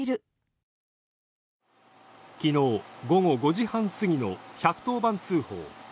昨日、午後５時半すぎの１１０番通報。